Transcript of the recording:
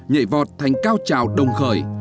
nhảy vọt thành cao trào đồng khởi